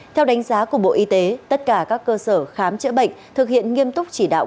theo đánh giá của bộ y tế tất cả các cơ sở khám chữa bệnh thực hiện nghiêm túc chỉ đạo